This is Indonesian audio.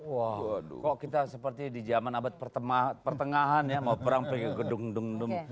waduh kok kita seperti di zaman abad pertengahan ya mau perang pergi ke gedung gedung